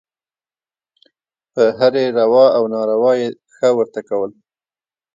په هرې روا او ناروا یې «ښه» ورته کول.